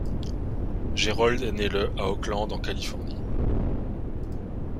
Jerold est né le à Oakland, en Californie.